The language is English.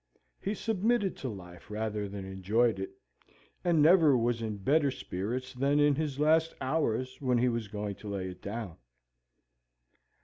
He submitted to life, rather than enjoyed it, and never was in better spirits than in his last hours when he was going to lay it down.